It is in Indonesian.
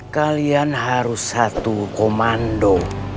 kalian harus satu komando